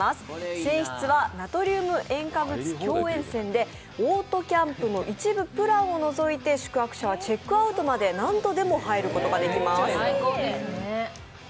泉質はナトリウム塩化物強塩泉でオートキャンプの一部プランを除いて宿泊者はチェックアウトまで何度でも入ることができます。